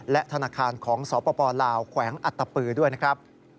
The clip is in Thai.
และธนาคารของสปลาวแขวงอัตตปือด้วยนะครับ